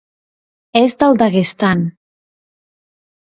És del Daguestan.